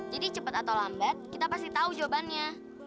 jadi cepet atau lambat kita pasti tahu jawabannya